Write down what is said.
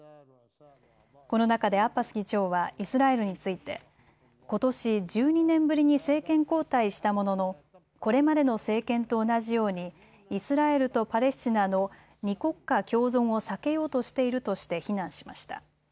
この中でアッバス議長はイスラエルについてことし１２年ぶりに政権交代したもののこれまでの政権と同じようにイスラエルとパレスチナの２国家共存を避けようとしているとして非難しました。